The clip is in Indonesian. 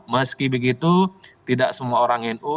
meski begitu tidak semua orang nu meski begitu tidak semua orang nu